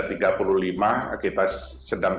kita sedang terus berusaha untuk mencari informasi